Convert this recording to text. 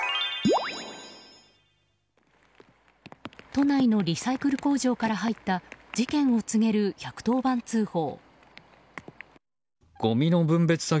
都内のリサイクル工場から入った事件を告げる１１０番通報。